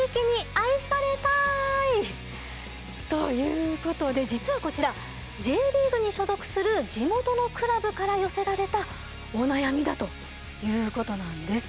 ということで実はこちらＪリーグに所属する地元のクラブから寄せられたお悩みだということなんです。